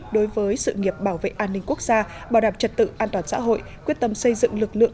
đối với sự nghiệp bảo vệ an ninh quốc gia bảo đảm trật tự an toàn xã hội quyết tâm xây dựng lực lượng